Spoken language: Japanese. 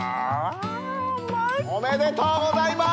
うまい！おめでとうございます！